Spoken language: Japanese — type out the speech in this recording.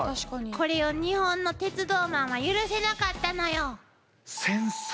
これを日本の鉄道マンは許せなかったのよ。